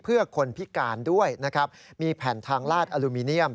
เพื่อคนพิการด้วยนะครับมีแผ่นทางลาดอลูมิเนียม